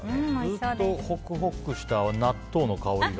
ずっとホクホクした納豆の香りが。